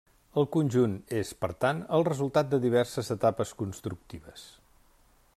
El conjunt és, per tant, el resultat de diverses etapes constructives.